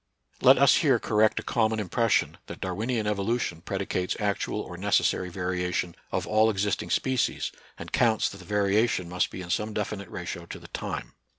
Let us here correct a common impression that Darwinian evolution predicates actual or necessary variation of all existing species, and counts that the variation must be in some de finite ratio to the time.